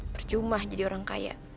berjumah jadi orang kaya